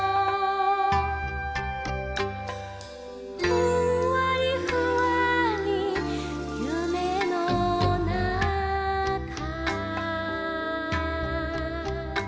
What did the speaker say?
「ふんわりふわーりゆめのなか」